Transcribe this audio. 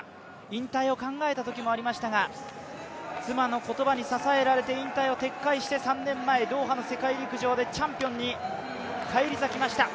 引退を考えたときもありましたが、妻の言葉に支えられて撤回して３年前、ドーハの世界陸上でチャンピオンに返り咲きました。